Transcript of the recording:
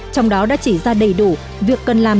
trong đó đã chỉ ra đầy đủ việc cần làm